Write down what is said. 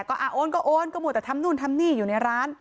ก็โอนก็โอนก็มัวแต่ทำนู่นทำนี่อยู่ในร้าน